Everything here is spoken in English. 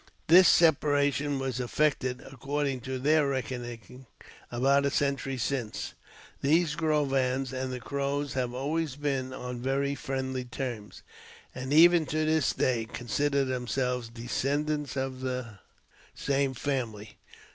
This separation was effected, according to their reckoning, above a century since. Those Grovans and the Crows have always been on very friendly terms, and even to this day consider themselves descendants of the same family.